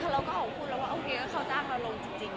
ว่าอันนี้ต้องเกี่ยวกับแต่ละคนที่มีมุมมองในด้านเนี้ย